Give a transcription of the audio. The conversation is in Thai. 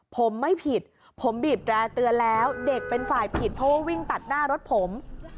ผมไม่ผิดผมบีบแร่เตือนแล้วเด็กเป็นฝ่ายผิดเพราะว่าวิ่งตัดหน้ารถผม